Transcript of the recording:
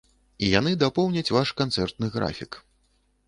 І яны дапоўняць ваш канцэртны графік.